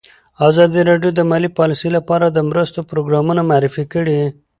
ازادي راډیو د مالي پالیسي لپاره د مرستو پروګرامونه معرفي کړي.